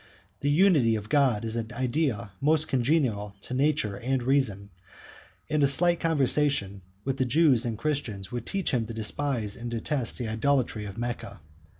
The unity of God is an idea most congenial to nature and reason; and a slight conversation with the Jews and Christians would teach him to despise and detest the idolatry of Mecca.